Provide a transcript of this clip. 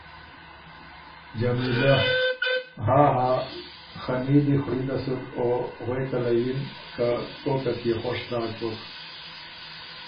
جمیلۀ: ها۔۔ها۔۔خنی دی خوړینده سُک غوېکه له یِن که کوکت يې خوش داک بُک۔